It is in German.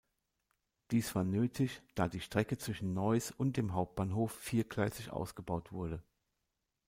Dies war nötig, da die Strecke zwischen Neuss und dem Hauptbahnhof viergleisig ausgebaut wurde.